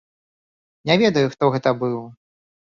Не ведаю, хто гэта быў.